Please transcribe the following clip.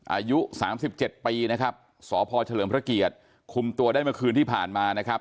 อายุสามสิบเจ็ดปีนะครับสพเฉลิมพระเกียรติคุมตัวได้เมื่อคืนที่ผ่านมานะครับ